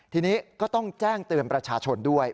ทีนี้ก็ต้องแจ้งเตือนประชาชนด้วย